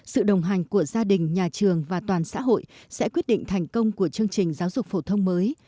sự đồng hành của gia đình nhà trường và toàn xã hội sẽ quyết định thành công của chương trình giáo dục phổ thông mới